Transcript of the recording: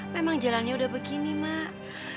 memang jalannya udah begini mak